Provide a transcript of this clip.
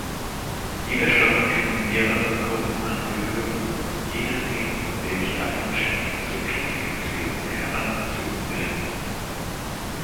Jeder Stoff kann mehreren Gruppen angehören, je nachdem welche Eigenschaft zur Klassifizierung herangezogen werden.